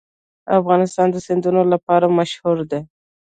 افغانستان د سیندونه لپاره مشهور دی.